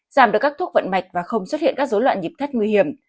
giảm được các thuốc vận mạch và không xuất hiện các dối loạn nhịp thất nguy hiểm